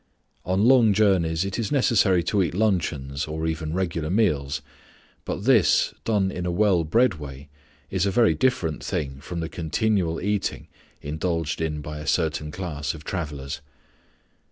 On long journeys it is necessary to eat luncheons or even regular meals, but this, done in a well bred way, is a very different thing from the continual eating indulged in by a certain class of travellers.